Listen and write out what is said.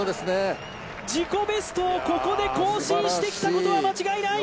自己ベストをここで更新してきたことは間違いない。